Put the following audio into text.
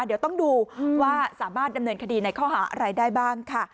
เดี๋ยวต้องดูว่าสามารถดำเนินคดีในข้อหาอะไรได้บ้างค่ะ